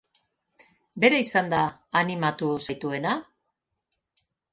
Bera izan da animatu zaituena?